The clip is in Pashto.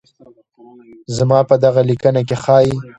زما په دغه ليکنه کې ښايي